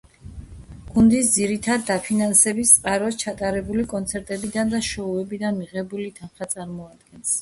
გუნდის ძირითად დაფინანსების წყაროს ჩატარებული კონცერტებიდან და შოუებიდან მიღებული თანხა წარმოადგენს.